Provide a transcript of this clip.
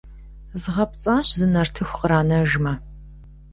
Згъэпцӏащ, зы нартыху къранэжмэ!